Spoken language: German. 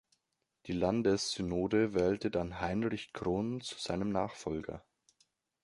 Die Landessynode wählte dann Heinrich Kron zu seinem Nachfolger.